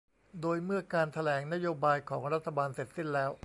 โดยเมื่อการแถลงนโยบายของรัฐบาลเสร็จสิ้นแล้ว